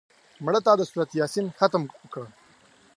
مړه ته د سورت یاسین ختم وکړه